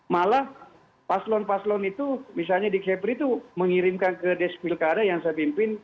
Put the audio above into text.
malah paslon paslon itu misalnya di kepri itu mengirimkan ke desk pilkada yang saya pimpin